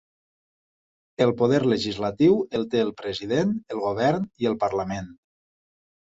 El poder legislatiu el té el president, el govern i el parlament.